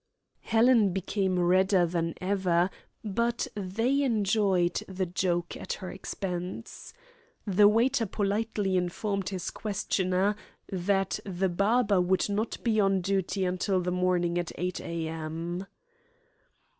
Helen became redder than ever, but they enjoyed the joke at her expense. The waiter politely informed his questioner that the barber would not be on duty until the morning at 8 a.m.